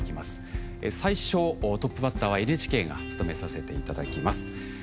最初トップバッターはＮＨＫが務めさせていただきます。